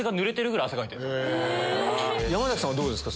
山さんはどうですか？